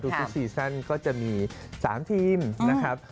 ทุกซีซั่นก็จะมี๓ทีมนะครับ